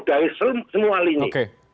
dari semua lini